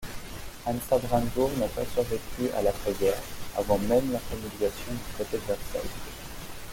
Hansa-Brandebourg n'a pas survécu à l'après-guerre, avant même la promulgation du Traité de Versailles.